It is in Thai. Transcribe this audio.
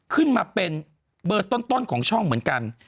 ขึ้นมาเป็นเบอร์ต้นของช่องเหมือนกัน